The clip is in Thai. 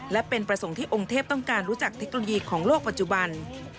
และเป็นประสงค์ที่องค์เทพต้องการรู้จักเทคโนโลยีของโลกปัจจุบัน